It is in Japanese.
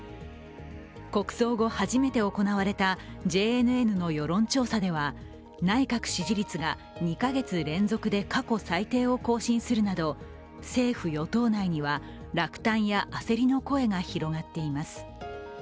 国葬後初めて行われたＪＮＮの世論調査では、内閣支持率が２か月連続で過去最低を更新するなど政府・与党内には落胆や焦りの声が広がっています。